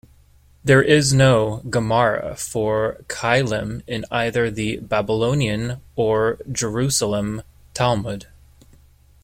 There is no Gemara for "Keilim" in either the Babylonian or Jerusalem Talmud.